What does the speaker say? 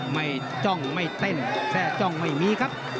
จ้องไม่เต้นแค่จ้องไม่มีครับ